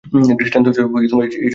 দৃষ্টান্তস্বরূপ এই জগতের কথাই ধরুন।